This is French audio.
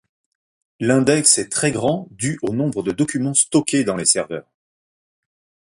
L'index est très grand dû au nombre de documents stockés dans les serveurs.